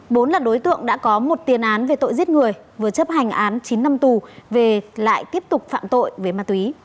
bốn là đối tượng đã có một tiền án về tội giết người vừa chấp hành án chín năm tù về lại tiếp tục phạm tội với ma túy